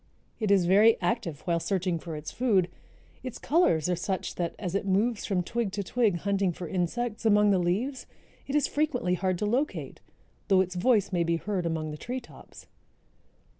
It is very active while searching for its food. Its colors are such that, as it moves from twig to twig hunting for insects among the leaves, it is frequently hard to locate though its voice may be heard among the tree tops.